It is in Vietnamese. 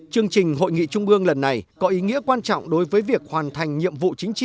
chương trình hội nghị trung ương lần này có ý nghĩa quan trọng đối với việc hoàn thành nhiệm vụ chính trị